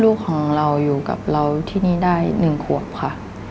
ลูกของเราอยู่กับเราที่นี่ได้๑ขวบค่ะ